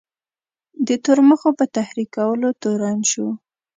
د تورمخو په تحریکولو تورن شو.